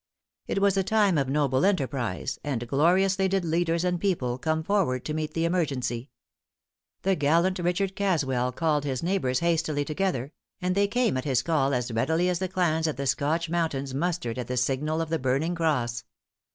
It was a time of noble enterprise, and gloriously did leaders and people come forward to meet the emergency. The gallant Richard Caswell called his neighbors hastily together; and they came at his call as readily as the clans of the Scotch mountains mustered at the signal of the burning cross.